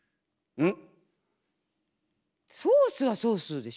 うん。